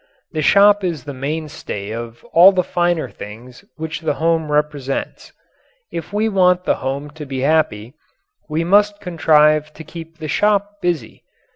The shop is the mainstay of all the finer things which the home represents. If we want the home to be happy, we must contrive to keep the shop busy.